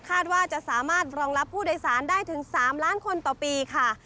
คาดว่าจะสามารถรองรับผู้โดยสารได้ถึง๓ล้านคนต่อปีค่ะ